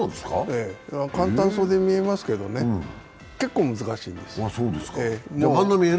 簡単そうに見えますけどね、結構難しいんですよ、ええ。